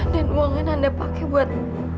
dan uangnya nanda pakai buat